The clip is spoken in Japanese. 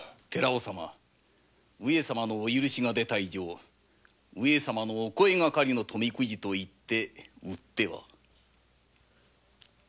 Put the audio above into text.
上様のお許しが出た以上上様のお声がかりの富くじと言って売っては。それは名案だ。